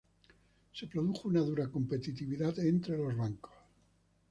Se produjo una dura competencia entre los bancos.